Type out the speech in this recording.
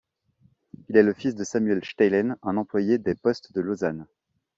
Il est le fils de Samuel Steinlen, un employé des Postes de Lausanne.